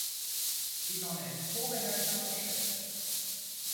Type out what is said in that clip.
Il en est co-rédacteur en chef.